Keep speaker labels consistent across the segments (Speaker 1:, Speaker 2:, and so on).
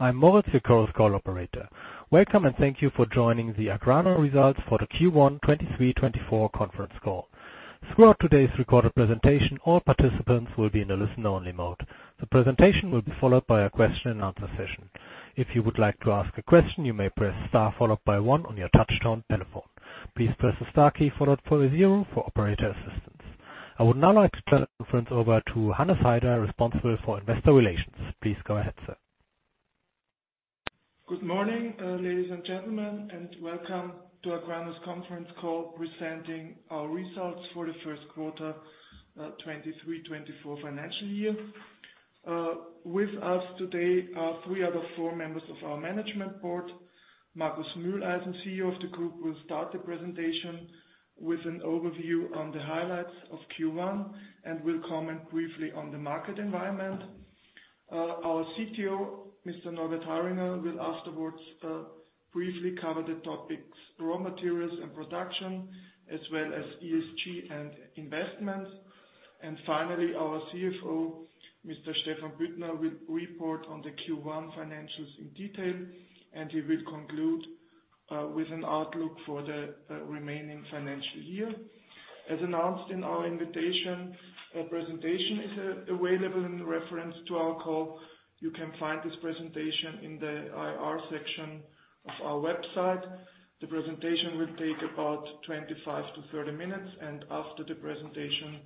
Speaker 1: I'm Moritz, your current call operator. Welcome. Thank you for joining the AGRANA results for the Q1 2023, 2024 conference call. Throughout today's recorded presentation, all participants will be in a listen-only mode. The presentation will be followed by a question-and-answer session. If you would like to ask a question, you may press star followed by one on your touch-tone telephone. Please press the star key followed by zero for operator assistance. I would now like to turn the conference over to Hannes Haider, responsible for Investor Relations. Please go ahead, sir.
Speaker 2: Good morning, ladies and gentlemen, and welcome to AGRANA's conference call, presenting our results for the first quarter, 2023, 2024 financial year. With us today are three other four members of our management board. Markus Mühleisen as the CEO of the group, will start the presentation with an overview on the highlights of Q1, and will comment briefly on the market environment. Our CTO, Mr. Norbert Harringer, will afterwards, briefly cover the topics, raw materials and production, as well as ESG and investments. Finally, our CFO, Mr. Stephan Büttner, will report on the Q1 financials in detail, and he will conclude, with an outlook for the remaining financial year. As announced in our invitation, a presentation is available in reference to our call. You can find this presentation in the IR section of our website. The presentation will take about 25-30 minutes. After the presentation,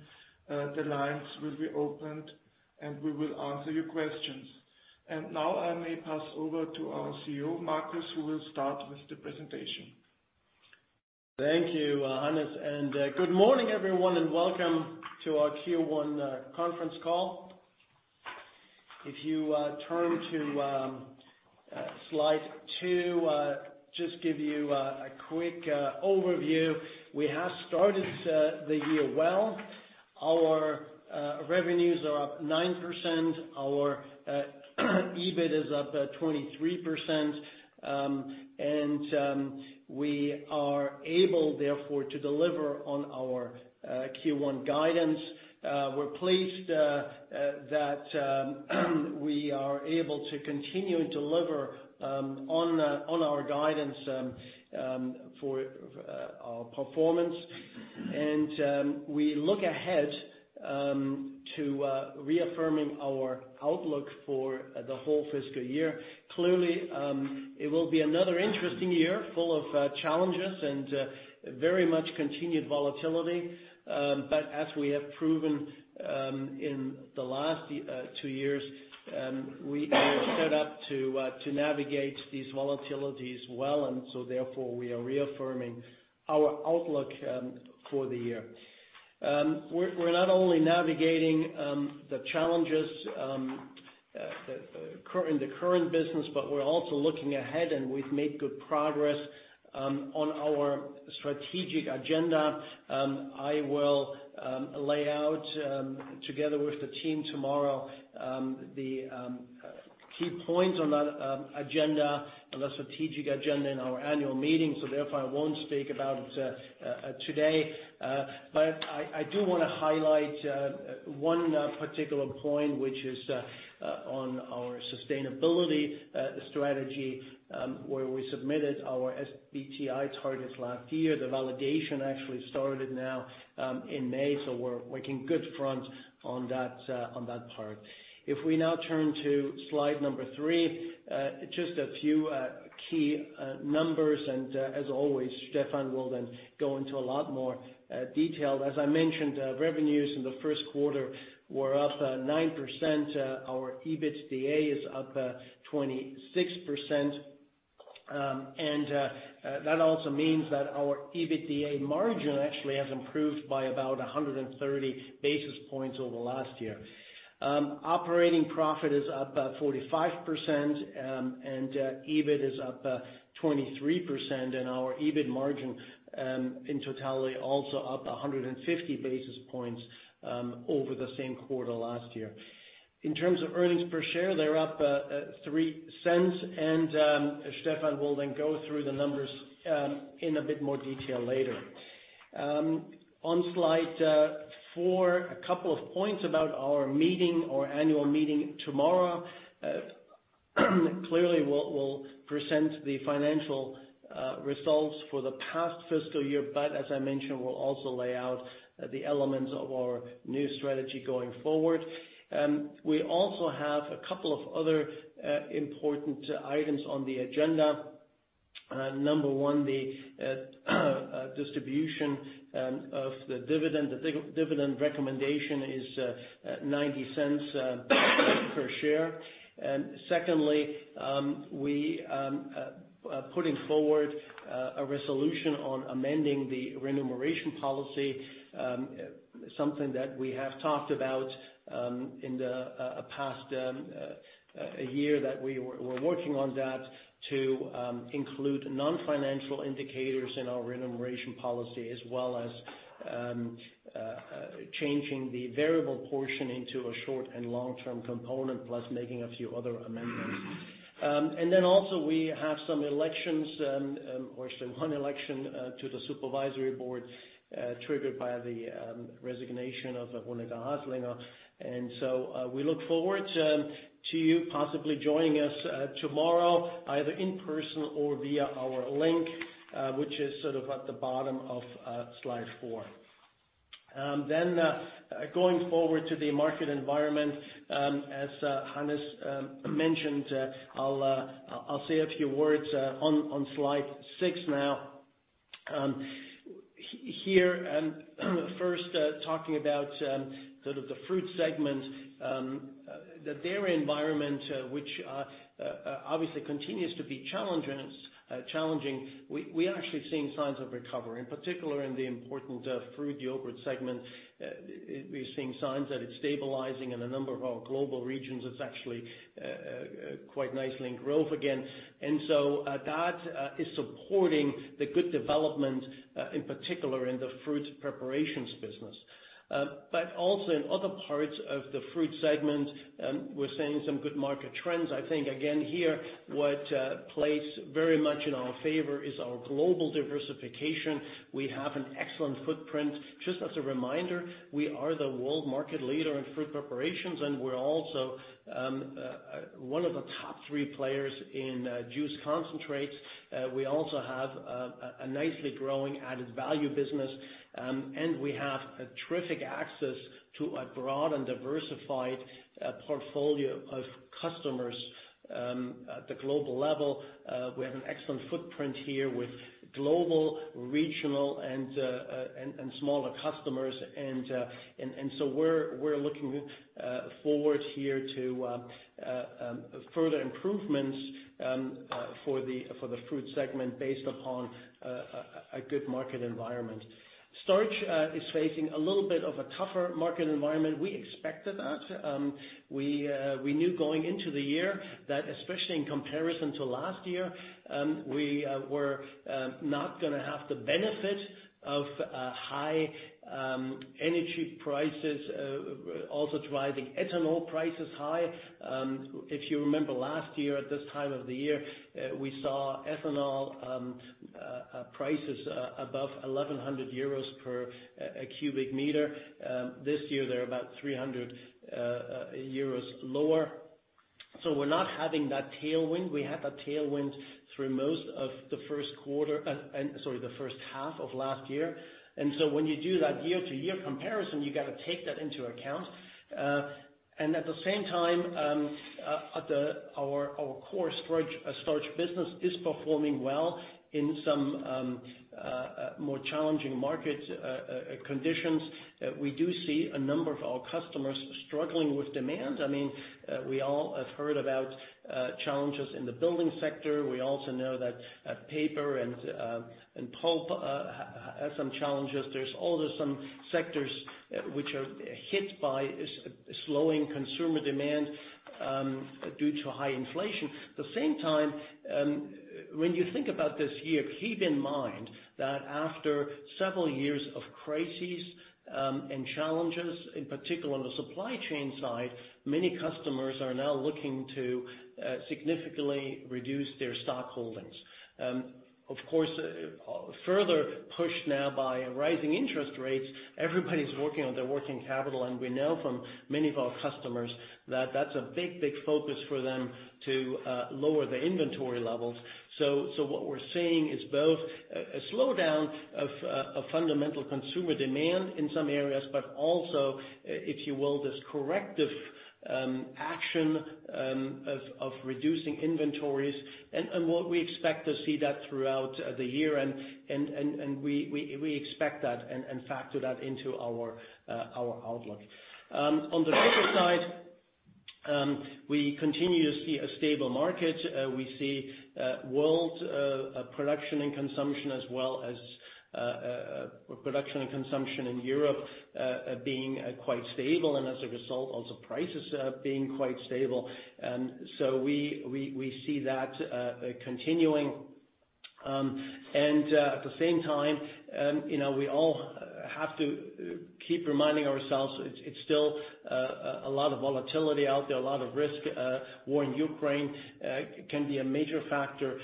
Speaker 2: the lines will be opened, and we will answer your questions. Now I may pass over to our CEO, Markus, who will start with the presentation.
Speaker 3: Thank you, Hannes, good morning, everyone, and welcome to our Q1 conference call. If you turn to slide 2, just give you a quick overview. We have started the year well. Our revenues are up 9%, our EBIT is up 23%. We are able, therefore, to deliver on our Q1 guidance. We're pleased that we are able to continue and deliver on our guidance for our performance. We look ahead to reaffirming our outlook for the whole fiscal year. Clearly, it will be another interesting year, full of challenges and very much continued volatility. As we have proven, in the last two years, we are set up to navigate these volatilities well. Therefore, we are reaffirming our outlook for the year. We're not only navigating the challenges in the current business, but we're also looking ahead and we've made good progress on our strategic agenda. I will lay out together with the team tomorrow, the key points on that agenda, on the strategic agenda in our annual meeting. Therefore, I won't speak about it today. I do wanna highlight one particular point, which is on our sustainability strategy, where we submitted our SBTi targets last year. The validation actually started now, in May. We're making good front on that part. If we now turn to slide number 3, just a few key numbers. As always, Stephan will go into a lot more detail. As I mentioned, revenues in the first quarter were up 9%. Our EBITDA is up 26%. That also means that our EBITDA margin actually has improved by about 130 basis points over the last year. Operating profit is up 45%, and EBIT is up 23%, and our EBIT margin, in totality, also up 150 basis points over the same quarter last year. In terms of earnings per share, they're up 0.03, and Stephan will then go through the numbers in a bit more detail later. On slide 4, a couple of points about our annual meeting tomorrow. Clearly, we'll present the financial results for the past fiscal year, but as I mentioned, we'll also lay out the elements of our new strategy going forward. We also have a couple of other important items on the agenda. Number 1, the distribution of the dividend. The dividend recommendation is 0.90 per share. Secondly, we are putting forward a resolution on amending the remuneration policy, something that we have talked about in the past year, that we are working on that, to include financial indicators in our remuneration policy, as well as changing the variable portion into a short and long-term component, plus making a few other amendments. Also we have some elections, or actually one election to the supervisory board, triggered by the resignation of Veronika Haslinger. We look forward to you possibly joining us tomorrow, either in person or via our link, which is sort of at the bottom of slide 4. Going forward to the market environment, as Hannes mentioned, I'll say a few words on slide 6 now. Here, first talking about sort of the fruit segment, that their environment, which obviously continues to be challenging. We are actually seeing signs of recovery, in particular in the important fruit yogurt segment. We're seeing signs that it's stabilizing in a number of our global regions. It's actually quite nicely in growth again. That is supporting the good development in particular in the fruit preparations business. Also in other parts of the fruit segment, we're seeing some good market trends. I think again here, what plays very much in our favor is our global diversification. We have an excellent footprint. Just as a reminder, we are the world market leader in fruit preparations, and we're also one of the top three players in juice concentrates. We also have a nicely growing added value business, and we have a terrific access to a broad and diversified portfolio of customers at the global level. We have an excellent footprint here with global, regional, and smaller customers. So we're looking forward here to further improvements for the fruit segment, based upon a good market environment. Starch is facing a little bit of a tougher market environment. We expected that. We knew going into the year, that especially in comparison to last year, we were not gonna have the benefit of high energy prices, also driving ethanol prices high. If you remember last year at this time of the year, we saw ethanol prices above 1,100 euros per a cubic meter. This year, they're about 300 euros lower. We're not having that tailwind. We had that tailwind through most of the first quarter, the first half of last year. When you do that year-to-year comparison, you gotta take that into account. At the same time, our core storage starch business is performing well in some more challenging market conditions. We do see a number of our customers struggling with demand. I mean, we all have heard about challenges in the building sector. We also know that paper and pulp have some challenges. There's also some sectors which are hit by slowing consumer demand due to high inflation. At the same time, when you think about this year, keep in mind that after several years of crises and challenges, in particular on the supply chain side, many customers are now looking to significantly reduce their stock holdings. Of course, further pushed now by rising interest rates, everybody's working on their working capital, and we know from many of our customers that that's a big, big focus for them to lower the inventory levels. What we're seeing is both a slowdown of fundamental consumer demand in some areas, but also, if you will, this corrective action of reducing inventories and what we expect to see that throughout the year. We expect that and factor that into our outlook. On the paper side, we continue to see a stable market. We see world production and consumption, as well as production and consumption in Europe, being quite stable, and as a result, also prices being quite stable. We see that continuing. At the same time, you know, we all have to keep reminding ourselves it's still a lot of volatility out there, a lot of risk. War in Ukraine can be a major factor,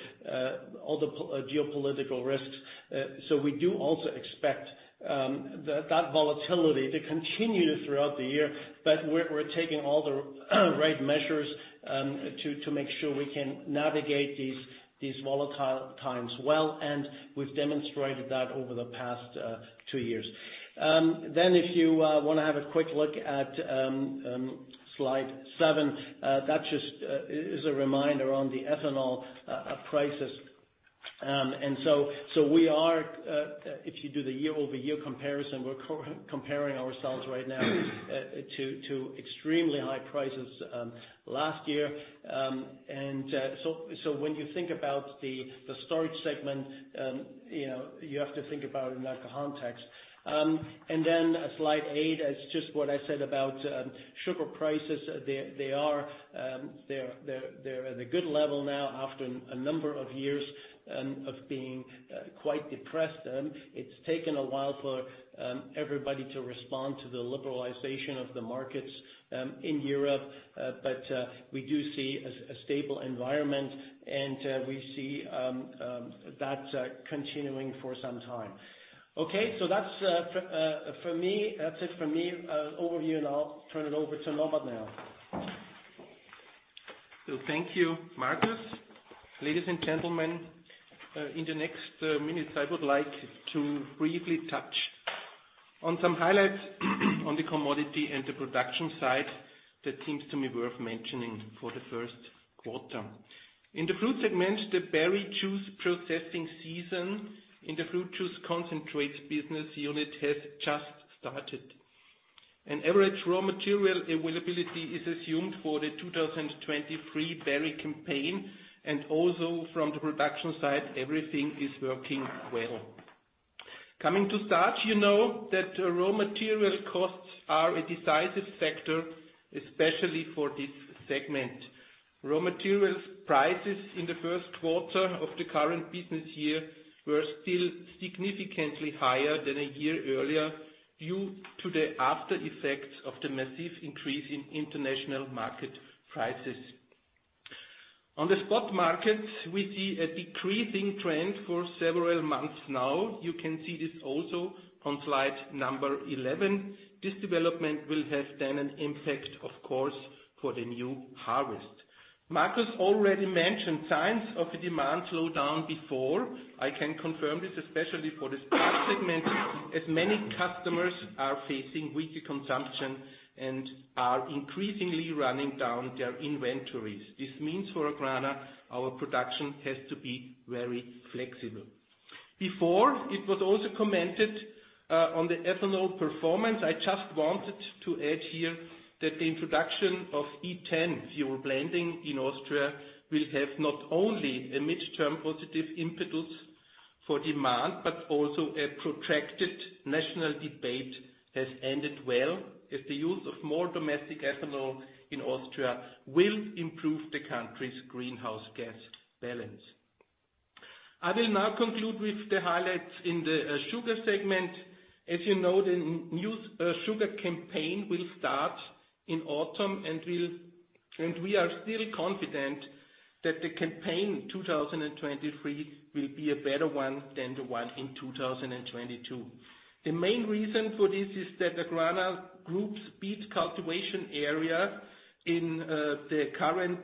Speaker 3: all the geopolitical risks. So we do also expect that volatility to continue throughout the year, but we're taking all the right measures to make sure we can navigate these volatile times well, and we've demonstrated that over the past 2 years. Then if you wanna have a quick look at slide 7, that just is a reminder on the ethanol prices. So we are, if you do the year-over-year comparison, we're comparing ourselves to extremely high prices last year. When you think about the storage segment, you know, you have to think about it in that context. Slide 8 is just what I said about sugar prices. They are at a good level now after a number of years of being quite depressed. It's taken a while for everybody to respond to the liberalization of the markets in Europe. We do see a stable environment, and we see that continuing for some time. Okay, that's for me, that's it for me, overview, and I'll turn it over to Norbert now.
Speaker 4: Thank you, Markus. Ladies and gentlemen, in the next minutes, I would like to briefly touch on some highlights on the commodity and the production side that seems to me worth mentioning for the first quarter. In the fruit segment, the berry juice processing season in the fruit juice concentrates business unit has just started. An average raw material availability is assumed for the 2023 berry campaign, and also from the production side, everything is working well. Coming to starch, you know that raw material costs are a decisive factor, especially for this segment. Raw materials prices in the first quarter of the current business year were still significantly higher than a year earlier, due to the after effects of the massive increase in international market prices. On the stock markets, we see a decreasing trend for several months now. You can see this also on slide number 11. This development will have then an impact, of course, for the new harvest. Markus already mentioned signs of a demand slowdown before. I can confirm this, especially for the stock segment, as many customers are facing weaker consumption and are increasingly running down their inventories. This means for AGRANA, our production has to be very flexible. It was also commented on the ethanol performance, I just wanted to add here that the introduction of E10 fuel blending in Austria will have not only a midterm positive impetus for demand, but also a protracted national debate has ended well, as the use of more domestic ethanol in Austria will improve the country's greenhouse gas balance. I will now conclude with the highlights in the sugar segment. As you know, the new sugar campaign will start in autumn, and we are still confident that the campaign 2023 will be a better one than the one in 2022. The main reason for this is that AGRANA Group's beet cultivation area in the current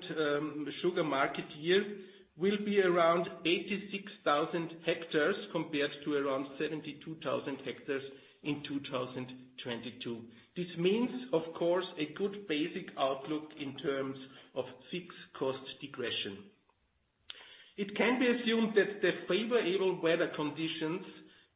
Speaker 4: sugar market year will be around 86,000 hectares, compared to around 72,000 hectares in 2022. This means, of course, a good basic outlook in terms of fixed cost regression. It can be assumed that the favorable weather conditions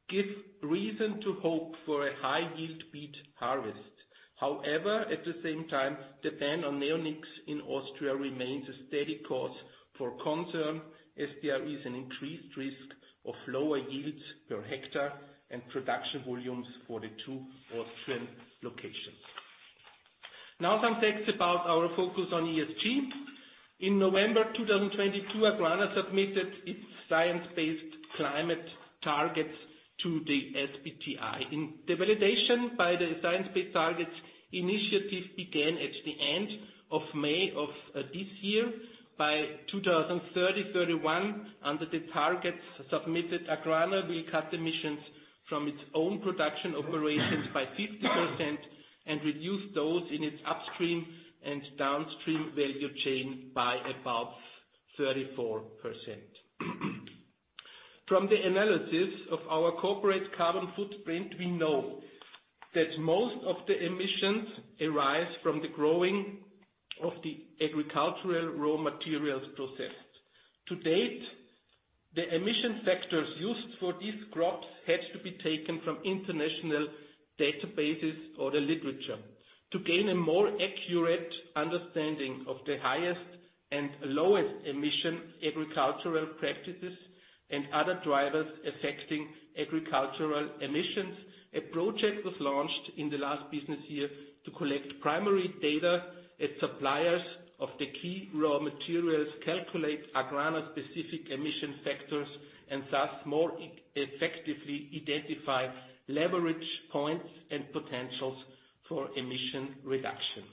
Speaker 4: give reason to hope for a high-yield beet harvest. However, at the same time, the ban on neonics in Austria remains a steady course for concern, as there is an increased risk of lower yields per hectare and production volumes for the two Austrian locations. Some facts about our focus on ESG. In November 2022, AGRANA submitted its science-based climate targets to the SBTi. The validation by the Science Based Targets initiative began at the end of May of this year. By 2030-2031, under the targets submitted, AGRANA will cut emissions from its own production operations by 50%, and reduce those in its upstream and downstream value chain by about 34%. From the analysis of our corporate carbon footprint, we know that most of the emissions arise from the growing of the agricultural raw materials processed. To date, the emission factors used for these crops had to be taken from international databases or the literature. To gain a more accurate understanding of the highest and lowest emission agricultural practices and other drivers affecting agricultural emissions, a project was launched in the last business year to collect primary data, as suppliers of the key raw materials calculate AGRANA's specific emission factors, and thus, more effectively identify leverage points and potentials for emission reduction.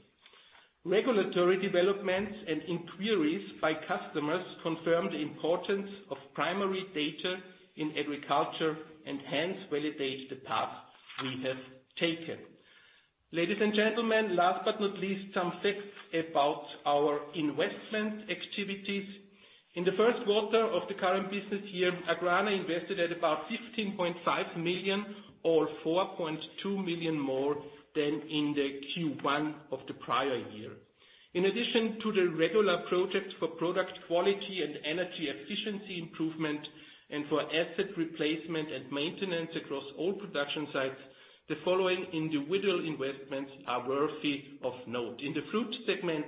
Speaker 4: Regulatory developments and inquiries by customers confirm the importance of primary data in agriculture, and hence, validate the path we have taken. Ladies and gentlemen, last but not least, some facts about our investment activities. In the first quarter of the current business year, AGRANA invested at about 15.5 million, or 4.2 million more than in the Q1 entire year. In addition to the regular projects for product quality and energy efficiency improvement and for asset replacement and maintenance across all production sites, the following individual investments are worthy of note. In the fruit segment,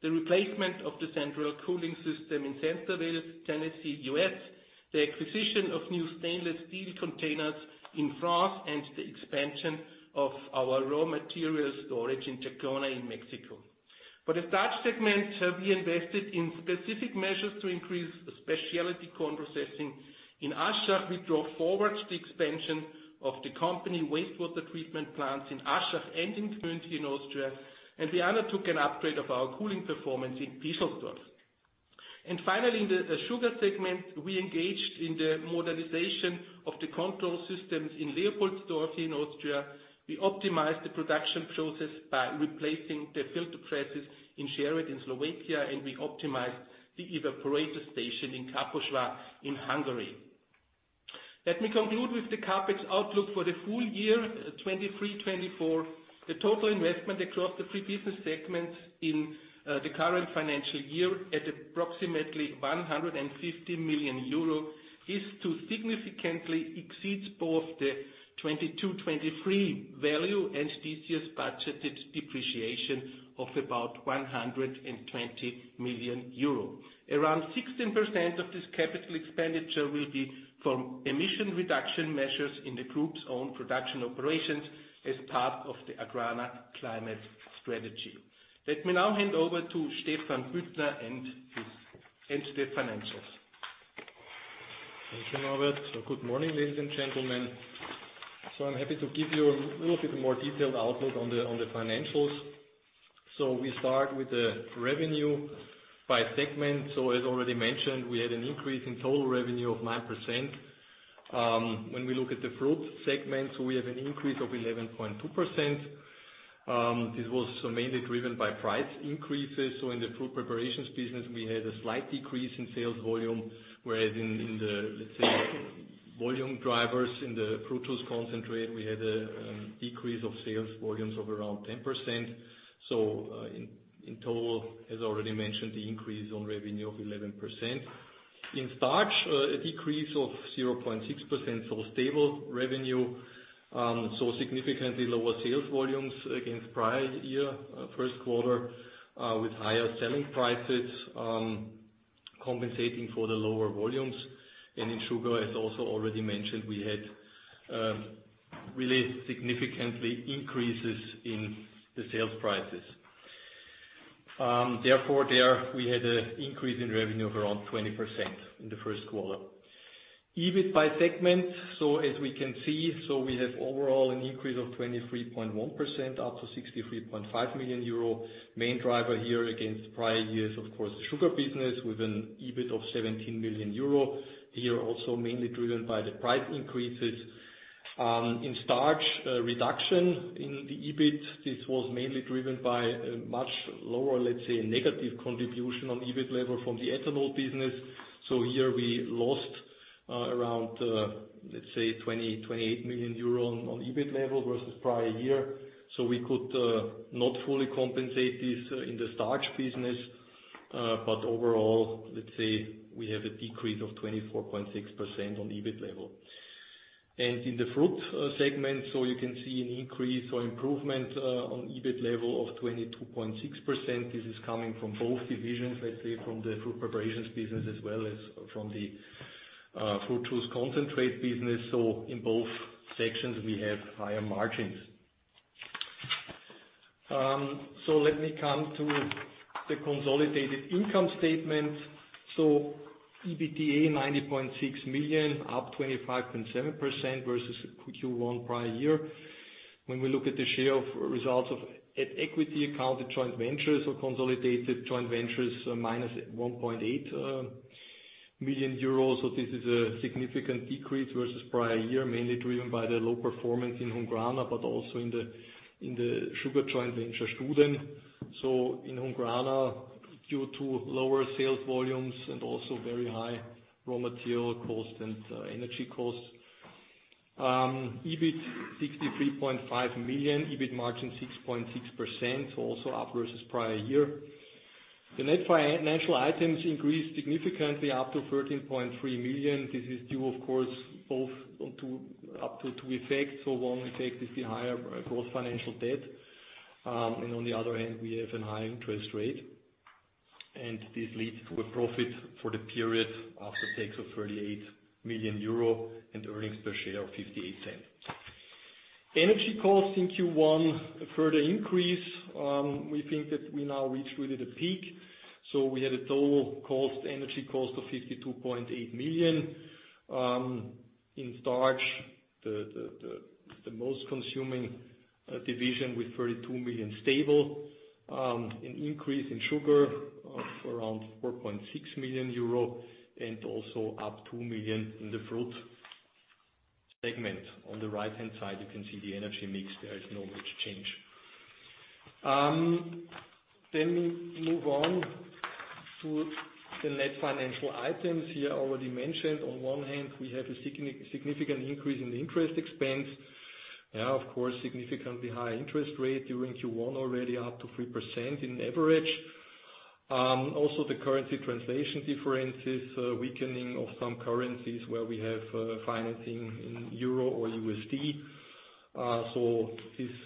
Speaker 4: the replacement of the central cooling system in Centerville, Tennessee, U.S., the acquisition of new stainless steel containers in France, and the expansion of our raw material storage in Jacona, in Mexico. For the starch segment, we invested in specific measures to increase the specialty corn processing. In Aschach, we drove forward the expansion of the company wastewater treatment plants in Aschach and in Gmünd, in Austria, and we undertook an upgrade of our cooling performance in Pischelsdorf. Finally, in the sugar segment, we engaged in the modernization of the control systems in Leopoldsdorf, in Austria. We optimized the production process by replacing the filter presses in Sereď, in Slovakia, and we optimized the evaporator station in Kaposvár, in Hungary. Let me conclude with the CapEx outlook for the full year, 2023, 2024. The total investment across the three business segments in the current financial year, at approximately 150 million euro, is to significantly exceed both the 2022, 2023 value and this year's budgeted depreciation of about 120 million euro. Around 16% of this capital expenditure will be from emission reduction measures in the group's own production operations as part of the AGRANA Climate Strategy. Let me now hand over to Stephan Büttner and the financials.
Speaker 5: Thank you, Norbert. Good morning, ladies and gentlemen. I'm happy to give you a little bit more detailed outlook on the financials. We start with the revenue by segment. As already mentioned, we had an increase in total revenue of 9%. When we look at the fruit segment, we have an increase of 11.2%. This was mainly driven by price increases. In the fruit preparations business, we had a slight decrease in sales volume, whereas in the, let's say, volume drivers, in the fructose concentrate, we had a decrease of sales volumes of around 10%. In total, as already mentioned, the increase on revenue of 11%. In starch, a decrease of 0.6%, so stable revenue. Significantly lower sales volumes against prior year, first quarter, with higher selling prices, compensating for the lower volumes. In sugar, as also already mentioned, we had really significantly increases in the sales prices. Therefore, there we had an increase in revenue of around 20% in the first quarter. EBIT by segment, as we can see, we have overall an increase of 23.1%, up to 63.5 million euro. Main driver here against prior years, of course, the sugar business, with an EBIT of 17 million euro. Here, also mainly driven by the price increases. In starch, reduction in the EBIT, this was mainly driven by a much lower, let's say, negative contribution on EBIT level from the ethanol business. Here we lost 28 million euro on EBIT level versus prior year. We could not fully compensate this in the starch business, but overall, let's say we have a decrease of 24.6% on the EBIT level. In the fruit segment, you can see an increase or improvement on EBIT level of 22.6%. This is coming from both divisions, let's say, from the fruit preparations business as well as from the fructose concentrate business. In both sections, we have higher margins. Let me come to the consolidated income statement. EBITDA, 90.6 million, up 25.7% versus Q1 prior year. When we look at the share of results of at equity-accounted joint ventures or consolidated joint ventures, minus 1.8 million euros. This is a significant decrease versus prior year, mainly driven by the low performance in Hungrana, but also in the, in the sugar joint venture, STUDEN. In Hungrana, due to lower sales volumes and also very high raw material costs and energy costs. EBIT, 63.5 million. EBIT margin, 6.6%, also up versus prior year. The net financial items increased significantly up to 13.3 million. This is due, of course, both up to two effects. One effect is the higher gross financial debt, and on the other hand, we have a high interest rate, and this leads to a profit for the period after tax of 38 million euro and earnings per share of 0.58. Energy costs in Q1, a further increase. We think that we now reached really the peak. We had a total cost, energy cost of 52.8 million. In starch, the most consuming division with 32 million stable. An increase in sugar of around 4.6 million euro, and also up 2 million in the fruit segment. On the right-hand side, you can see the energy mix. There is no huge change. We move on to the net financial items here already mentioned, on one hand, we have a significant increase in the interest expense. Yeah, of course, significantly higher interest rate during Q1, already up to 3% in average. The currency translation differences, weakening of some currencies where we have financing in EUR or USD. This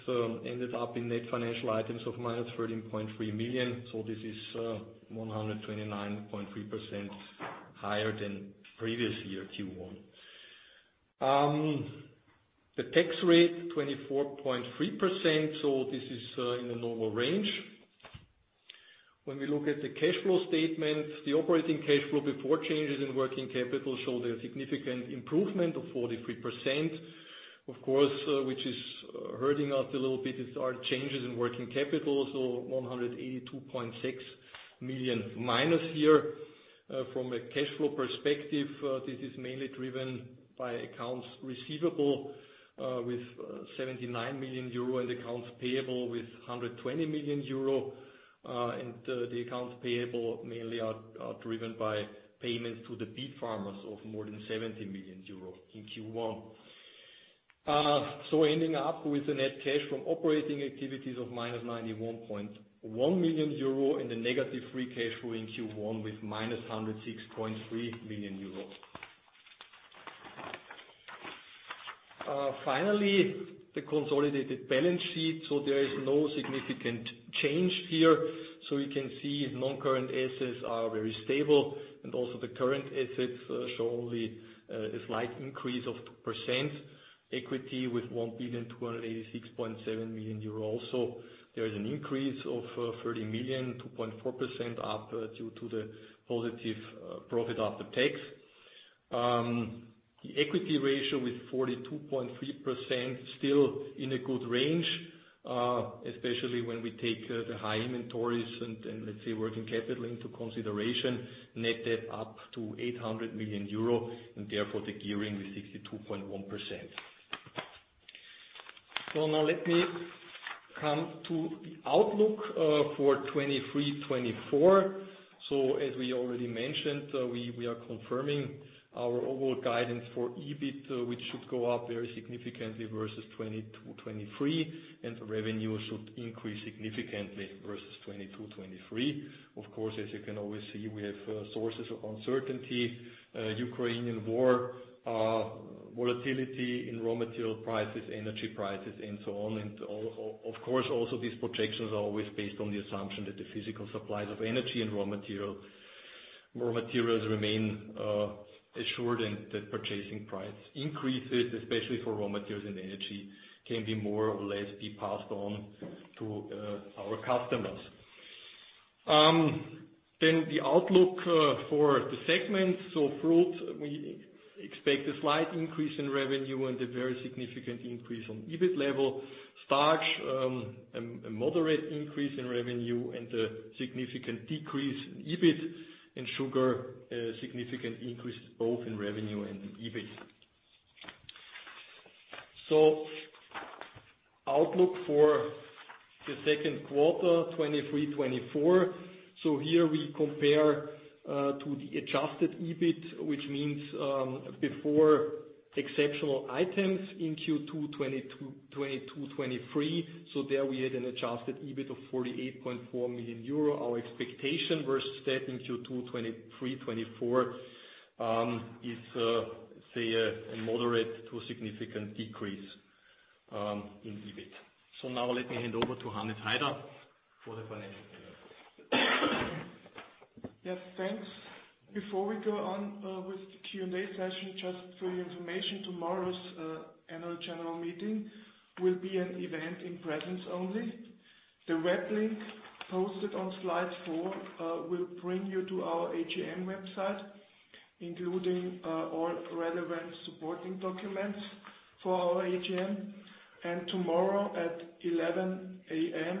Speaker 5: ended up in net financial items of minus 13.3 million. This is 129.3% higher than previous year, Q1. The tax rate, 24.3%, this is in the normal range. When we look at the cash flow statement, the operating cash flow before changes in working capital show there a significant improvement of 43%. Of course, which is hurting us a little bit, is our changes in working capital, 182.6 million minus here. From a cash flow perspective, this is mainly driven by accounts receivable, with 79 million euro, and accounts payable with 120 million euro. The accounts payable mainly are driven by payments to the beet farmers of more than 70 million euros in Q1. Ending up with a net cash from operating activities of -91.1 million euro and a negative free cash flow in Q1 with -106.3 million euro. Finally, the consolidated balance sheet, there is no significant change here. You can see non-current assets are very stable, and also the current assets show only a slight increase of 2%. Equity with 1,286.7 million euro. There is an increase of 30 million, 2.4% up, due to the positive profit after tax. The equity ratio with 42.3% still in a good range, especially when we take the high inventories and let's say, working capital into consideration, net debt up to 800 million euro, and therefore the gearing is 62.1%. Let me come to the outlook for 2023, 2024. As we already mentioned, we are confirming our overall guidance for EBIT, which should go up very significantly versus 2022, 2023, and the revenue should increase significantly versus 2022, 2023. Of course, as you can always see, we have sources of uncertainty, Ukrainian war, volatility in raw material prices, energy prices, and so on. Of course, also, these projections are always based on the assumption that the physical supplies of energy and raw materials remain assured, and that purchasing price increases, especially for raw materials and energy, can be more or less be passed on to our customers. The outlook for the segments: fruit, we expect a slight increase in revenue and a very significant increase on EBIT level. Starch, a moderate increase in revenue and a significant decrease in EBIT. In sugar, a significant increase both in revenue and in EBIT. Outlook for the second quarter, 2023, 2024. Here we compare to the adjusted EBIT, which means before exceptional items in Q2 2022, 2023. There we had an adjusted EBIT of 48.4 million euro. Our expectation versus that in Q2, 2023, 2024, is, say, a moderate to significant decrease, in EBIT. Now let me hand over to Hannes Haider for the financial report.
Speaker 2: Thanks. Before we go on with the Q&A session, just for your information, tomorrow's Annual General Meeting will be an event in presence only. The weblink posted on slide 4 will bring you to our AGM website, including all relevant supporting documents for our AGM. Tomorrow at 11:00 A.M.,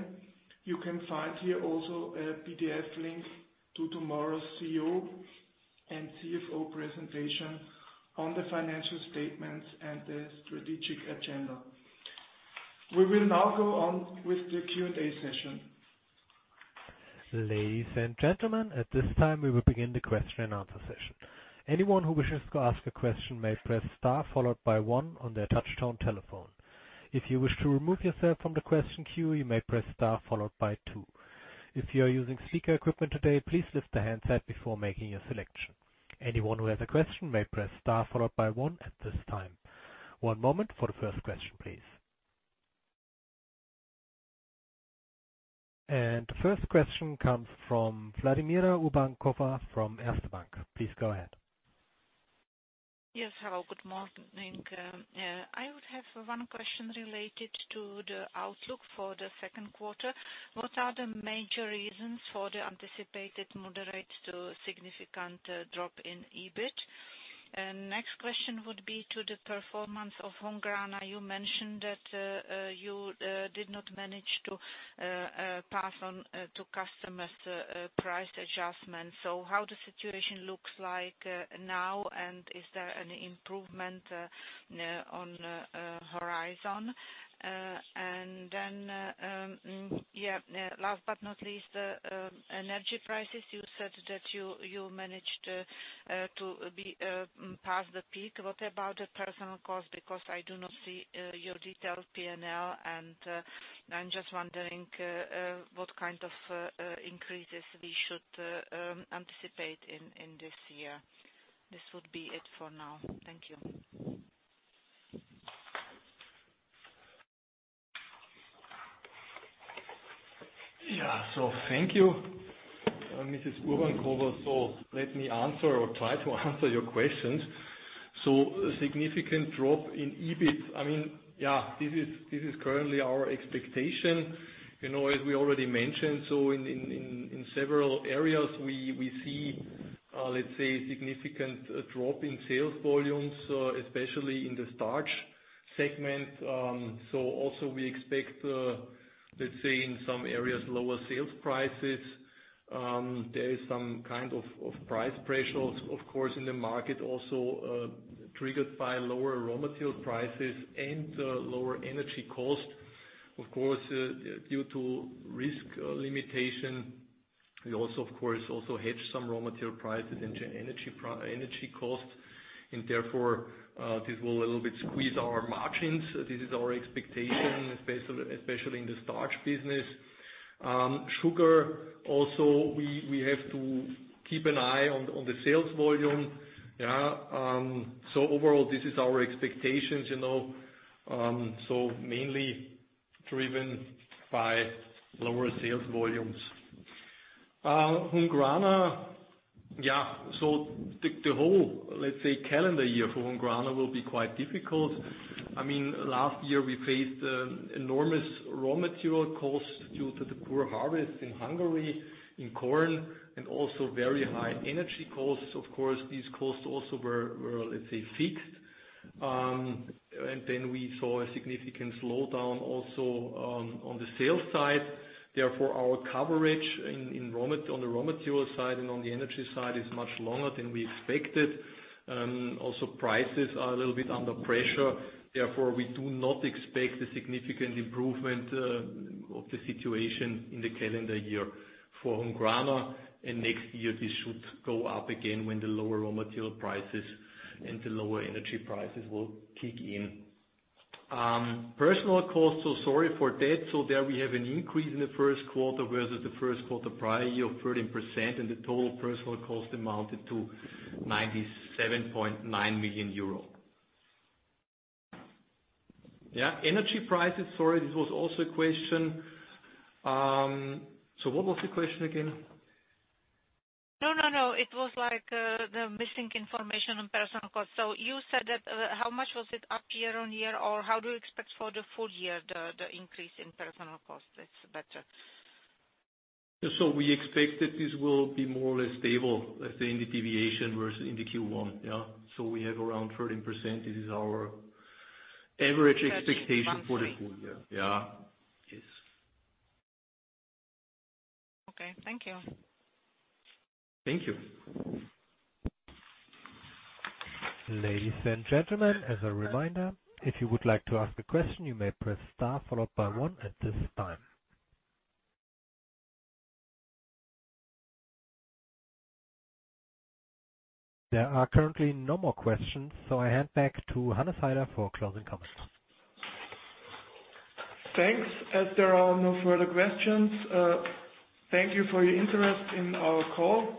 Speaker 2: you can find here also a PDF link to tomorrow's CEO and CFO presentation on the financial statements and the strategic agenda. We will now go on with the Q&A session.
Speaker 1: Ladies and gentlemen, at this time, we will begin the question-and-answer session. Anyone who wishes to ask a question may press star followed by one on their touchtone telephone. If you wish to remove yourself from the question queue, you may press star followed by two. If you are using speaker equipment today, please lift the handset before making your selection. Anyone who has a question may press star followed by 1 at this time. One moment for the first question, please. The first question comes from Vladimíra Urbánková from Erste Bank. Please go ahead.
Speaker 6: Yes, hello, good morning. I would have one question related to the outlook for the second quarter. What are the major reasons for the anticipated moderate to significant drop in EBIT? Next question would be to the performance of Hungrana. You mentioned that you did not manage to pass on to customers the price adjustment. How the situation looks like now, and is there an improvement on horizon? Last but not least, the energy prices. You said that you managed to be past the peak. What about the personal cost? Because I do not see your detailed PNL, and I'm just wondering what kind of increases we should anticipate in this year. This would be it for now. Thank you.
Speaker 5: Yeah. Thank you, Mrs. Urbankova. Let me answer or try to answer your questions. A significant drop in EBIT. I mean, yeah, this is currently our expectation. You know, as we already mentioned, in several areas, we see, let's say, a significant drop in sales volumes, especially in the starch segment. Also we expect, let's say, in some areas, lower sales prices. There is some kind of price pressures, of course, in the market also, triggered by lower raw material prices and lower energy costs. Of course, due to risk limitation, we also, of course, also hedge some raw material prices and energy costs, and therefore, this will a little bit squeeze our margins. This is our expectation, especially in the starch business. Sugar, also, we have to keep an eye on the sales volume. Yeah. Overall, this is our expectations, you know, so mainly driven by lower sales volumes. Hungrana, yeah, so the whole, let's say, calendar year for Hungrana will be quite difficult. I mean, last year we faced enormous raw material costs due to the poor harvest in Hungary, in corn, and also very high energy costs. Of course, these costs also were, let's say, fixed. Then we saw a significant slowdown also on the sales side. Therefore, our coverage on the raw material side and on the energy side is much lower than we expected. Also prices are a little bit under pressure, therefore, we do not expect a significant improvement of the situation in the calendar year for Hungrana, and next year, this should go up again when the lower raw material prices and the lower energy prices will kick in. Personal costs, sorry for that. There we have an increase in the first quarter versus the first quarter prior year of 13%, and the total personal cost amounted to 97.9 million euro. Energy prices, sorry, this was also a question. What was the question again?
Speaker 6: No, no. It was like the missing information on personal cost. You said that how much was it up year-on-year, or how do you expect for the full year, the increase in personal cost? It's better.
Speaker 5: We expect that this will be more or less stable, let's say, in the deviation versus in the Q1. Yeah. We have around 13%. This is our average expectation.
Speaker 6: Thirteen.
Speaker 5: For the full year. Yeah. Yes.
Speaker 6: Okay. Thank you.
Speaker 5: Thank you.
Speaker 1: Ladies and gentlemen, as a reminder, if you would like to ask a question, you may press star followed by one at this time. There are currently no more questions, so I hand back to Hannes Haider for closing comments.
Speaker 5: Thanks. As there are no further questions, thank you for your interest in our call,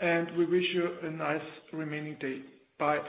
Speaker 5: and we wish you a nice remaining day. Bye.